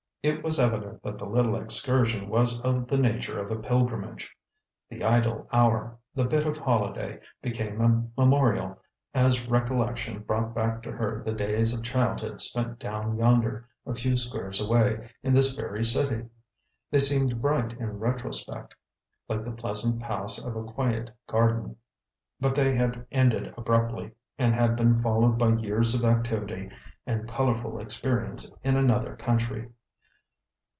It was evident that the little excursion was of the nature of a pilgrimage. The idle hour, the bit of holiday, became a memorial, as recollection brought back to her the days of childhood spent down yonder, a few squares away, in this very city. They seemed bright in retrospect, like the pleasant paths of a quiet garden, but they had ended abruptly, and had been followed by years of activity and colorful experience in another country.